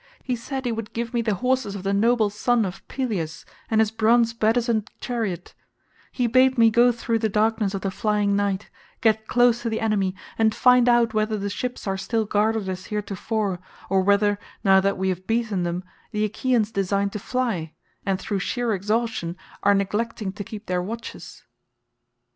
He said he would give me the horses of the noble son of Peleus and his bronze bedizened chariot; he bade me go through the darkness of the flying night, get close to the enemy, and find out whether the ships are still guarded as heretofore, or whether, now that we have beaten them, the Achaeans design to fly, and through sheer exhaustion are neglecting to keep their watches."